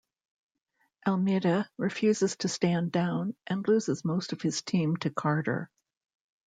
Almeida refuses to stand down and loses most of his team to Carter.